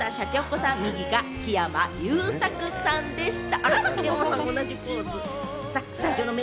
左がＭｒ．シャチホコさん、右が木山裕策さんでした。